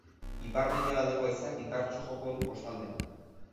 Ipar-mendebaldeko haizeak indartsu joko du kostaldean.